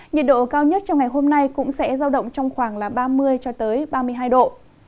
nhiệt độ cao nhất trong ngày hôm nay cũng sẽ giao động trong khoảng ba mươi ba mươi hai độ